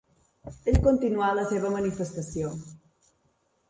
Ell continuà la seva manifestació.